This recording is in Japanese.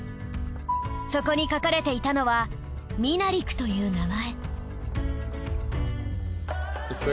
そこに書かれていたのは「ミナリク」という名前。